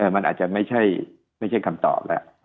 มันอาจจะไม่ใช่คำตอบแล้ว